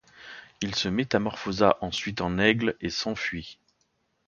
Il se métamorphosa ensuite en aigle et s'enfuit.